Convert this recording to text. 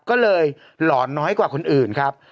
ก็เลยหลอนน้อยกว่าคนอื่นครับ